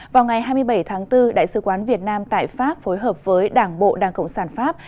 vào ngày hai mươi bảy tháng bốn đại sứ quán việt nam tại pháp phối hợp với đảng bộ đảng cộng sản pháp